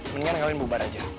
mendingan kalian bubar aja